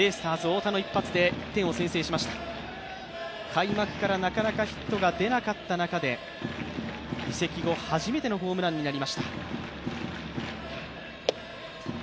開幕からなかなかヒットが出なかった中で、移籍後初めてのホームランになりました。